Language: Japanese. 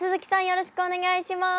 よろしくお願いします。